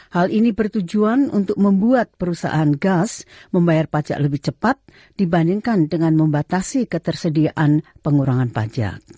hal ini bertujuan untuk membuat perusahaan gas membayar pajak lebih cepat dibandingkan dengan membatasi ketersediaan pengurangan pajak